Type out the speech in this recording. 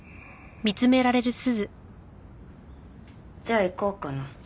じゃあ行こうかな。